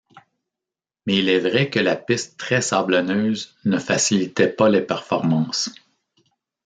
Mais il est vrai que la piste très sablonneuse ne facilitait pas les performances.